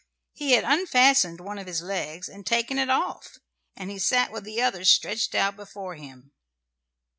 He had unfastened one of his legs, and taken it off, and he sat with the other stretched out before him.